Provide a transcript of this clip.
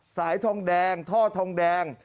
สายทองแดงท่อทองแดง